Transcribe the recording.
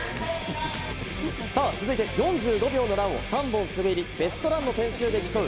続いて４５秒のランを３本滑り、ベストランの点数で競う